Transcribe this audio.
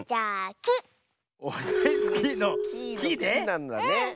「き」なんだね。